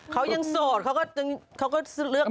เขายังโสดเขาก็เลือก